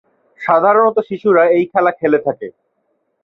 সাধারনত শিশুরা এই খেলা খেলে থাকে।